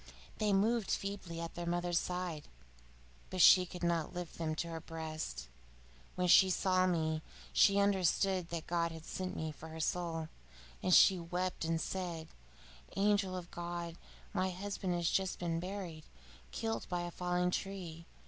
They moved feebly at their mother's side, but she could not lift them to her breast. When she saw me, she understood that God had sent me for her soul, and she wept and said: 'Angel of God! My husband has just been buried, killed by a falling tree.